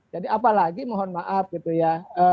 jadi apalagi mohon maaf gitu ya